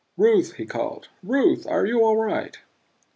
"Ruth!" he called. "Ruth are you all right?"